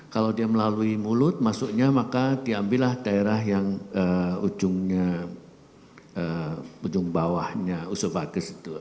kalau dia melalui mulut masuknya maka diambillah daerah yang ujungnya ujung bawahnya usofatis itu